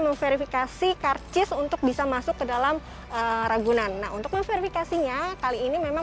memverifikasi karcis untuk bisa masuk ke dalam ragunan nah untuk memverifikasinya kali ini memang